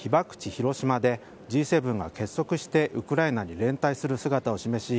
・広島でＧ７が結束してウクライナに連帯する姿を示し